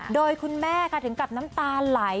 โดยคุณแม่ค่ะถึงกับน้ำตาไหล